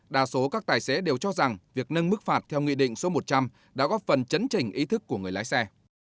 đa số các tài xế đều cho rằng việc nâng mức phạt theo nghị định số một trăm linh đã góp phần chấn trình ý thức của người lái xe